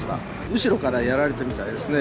後ろからやられたみたいですね。